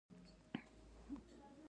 که غواړې بریالی واوسې؛ نو ځان قوي وښیاست!